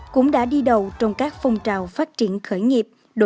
cũng đã đi đầu trong các phong trào phát triển khởi nghiệp